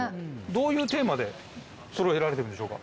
どういうテーマでそろえられてるんでしょう。